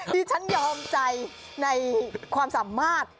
ที่ฉันยอมใจในความสามารถ